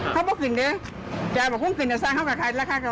แพงหมดค่ะ